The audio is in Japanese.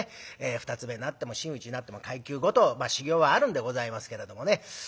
二つ目になっても真打になっても階級ごと修業はあるんでございますけれどもね。